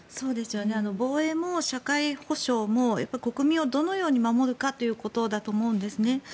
防衛も社会保障も国民をどのように守るかということだと思うんですね。